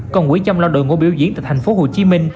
còn quỹ chăm lao đội mô biểu diễn tại tp hcm